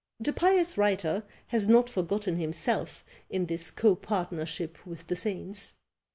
The pious writer has not forgotten himself in this copartnership with the saints.